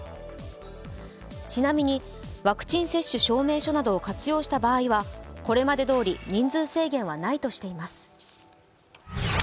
ちなみにワクチン接種証明書などを活用した場合はこれまでどおり人数制限はないとしています。